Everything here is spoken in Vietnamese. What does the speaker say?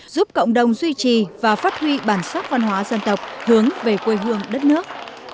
giúp cộng đồng duy trì và phát huy bản sắc văn hóa dân tộc hướng về quê hương đất nước